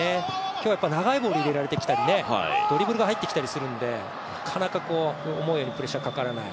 今日はやっぱり長いボール入れられてきたりドリブルが入ってきたりするんでなかなか思うようにプレッシャーがかからない。